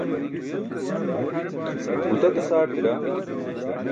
gutatas aartira